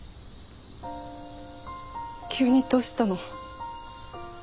急にどうしたの？